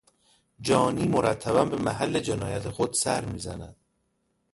جانی مرتبا به محل جنایت خود سر میزد.